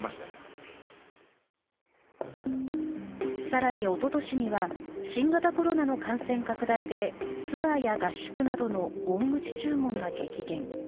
更におととしには新型コロナの感染拡大でツアーや合宿などの大口注文が激減。